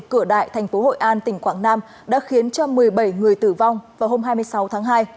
cửa đại thành phố hội an tỉnh quảng nam đã khiến cho một mươi bảy người tử vong vào hôm hai mươi sáu tháng hai